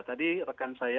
tadi rekan saya